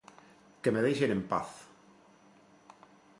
Que me deixen en paz!